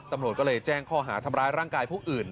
ตำรวจก็เลยแจ้งข้อหาทำร้ายร่างกายผู้อื่น